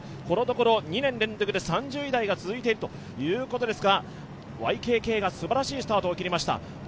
このところ２年連続で３０位台が続いているということですが、ＹＫＫがすばらしいスタートを切りました。